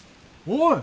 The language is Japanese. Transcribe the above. おい！